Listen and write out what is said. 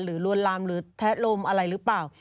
ลวนลามหรือแทะลมอะไรหรือเปล่า